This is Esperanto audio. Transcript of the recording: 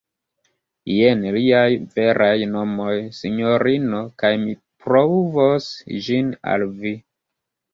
jen liaj veraj nomoj, sinjorino, kaj mi pruvos ĝin al vi.